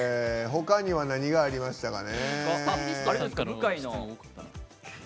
ほかには何がありましたかね。